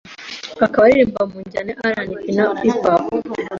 akaba aririmba mu njyana ya RnB na Pop